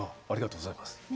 ありがとうございます。